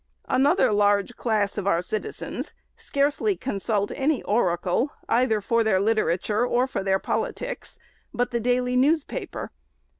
Another large class of our citizens scarcely consult any oracle, either for their literature or for their politics, but the daily newspaper.